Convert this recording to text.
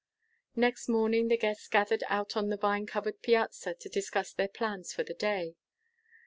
Next morning, the guests gathered out on the vine covered piazza to discuss their plans for the day.